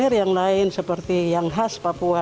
air yang lain seperti yang khas papua